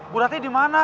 bu ratih dimana